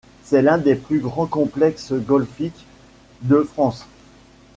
C'est l'un des plus grands complexes golfiques de France.